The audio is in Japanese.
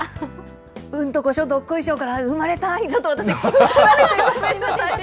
うんとこしょ、どっこいしょから生まれたに、私ちょっと気を取られて、ごめんなさい。